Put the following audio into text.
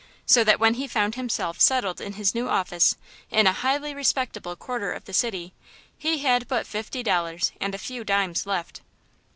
So that when he found himself settled in his new office, in a highly respectable quarter of the city, he had but fifty dollars and a few dimes left.